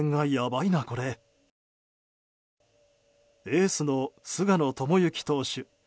エースの菅野智之投手